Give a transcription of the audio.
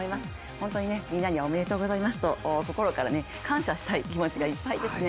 本当に、みんなにおめでとうございますと心から感謝したい気持ちでいっぱいですね。